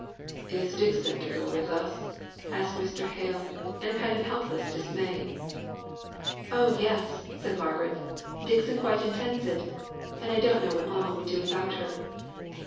"Is Dixon to go with us?" asked Mr. Hale, in a kind of helpless dismay. "Oh, yes!" said Margaret. "Dixon quite intends it, and I don't know what mamma would do without her."